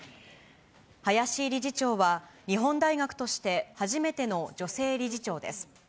林理事長は、日本大学として初めての女性理事長です。